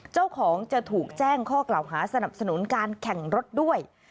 เจ้าของจะถูกแจ้งข้อกล่าวหาสนับสนุนการแข่งรถด้วย